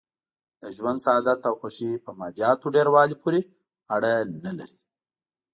د ژوند سعادت او خوښي په مادیاتو ډېر والي پورې اړه نه لري.